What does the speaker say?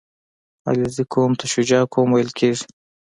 • علیزي قوم ته شجاع قوم ویل کېږي.